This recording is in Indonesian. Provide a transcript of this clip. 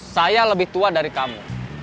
saya lebih tua dari kamu